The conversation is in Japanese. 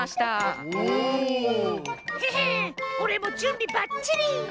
おおっ！へへおれもじゅんびばっちり！